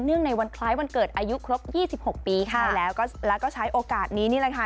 เนื่องในวันคล้ายวันเกิดอายุครบ๒๖ปีค่ะแล้วก็ใช้โอกาสนี้นี่แหละค่ะ